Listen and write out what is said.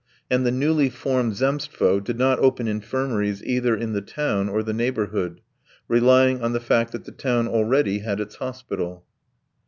And the newly formed Zemstvo did not open infirmaries either in the town or the neighbourhood, relying on the fact that the town already had its hospital.